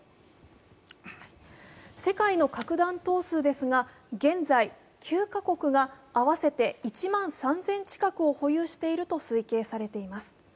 世界の核弾頭数ですが、現在９カ国が合わせて１万３０００近くを保有していると推計されています。